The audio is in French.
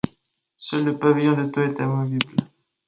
Seul le pavillon de toit était amovible.